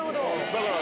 だから。